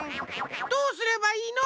どうすればいいの？